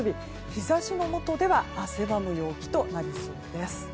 日差しの下では汗ばむ陽気となりそうです。